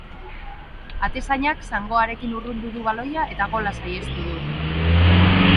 Atezainak zangoarekin urrundu du baloia eta gola saihestu du.